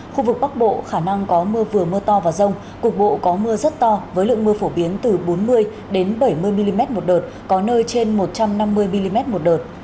khu vực bắc bộ khả năng có mưa vừa mưa to và rông cục bộ có mưa rất to với lượng mưa phổ biến từ bốn mươi bảy mươi mm một đợt có nơi trên một trăm năm mươi mm một đợt